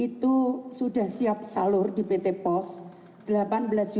itu sudah siap salur di pt pos rp delapan belas empat ratus delapan puluh enam tujuh ratus lima puluh enam